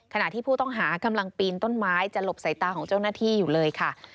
ขณะที่ผู้ต้องหากำลังปีนต้นไม้จะหลบสายตาของเจ้าหน้าที่อยู่เลยค่ะ